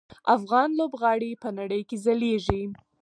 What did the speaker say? افغان لوبغاړي په نړۍ کې ځلیږي.